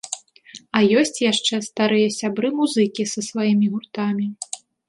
А ёсць яшчэ старыя сябры-музыкі са сваімі гуртамі.